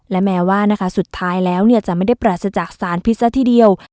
และแม้ว่านะคะสุดท้ายแล้วจะไม่ได้ปราศจากสารพิษซะทีเดียว